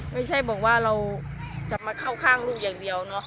ไม่ใช่บอกว่าเราจะมาเข้าข้างลูกอย่างเดียวเนาะ